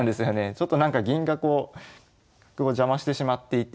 ちょっとなんか銀がこう角を邪魔してしまっていて。